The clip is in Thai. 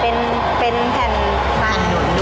เป็นแผ่นหลวงเดื้อง